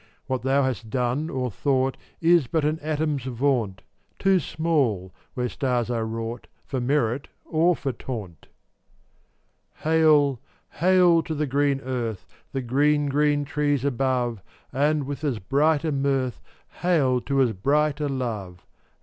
What thou hast done or thought Is but an atom's vaunt — Too small, where stars are wrought, For merit or for taunt. 414 Hail! Hail! to the green earth, The green, green trees above, And with as bright a mirth, Hail to as bright a love!